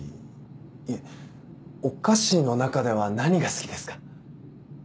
いえお菓子の中では何が好きですか？